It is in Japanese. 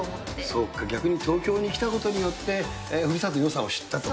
そうか、逆に東京に来たことによって、ふるさとのよさを知ったと。